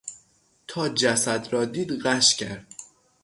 تا جسد را دید غش کرد.